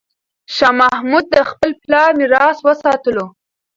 شاه محمود د خپل پلار میراث وساتلو.